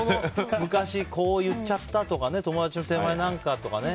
昔、こう言っちゃったとか友達の手前とかね。